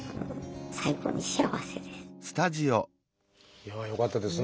いやあよかったですね。